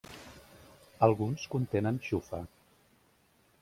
Alguns contenen xufa.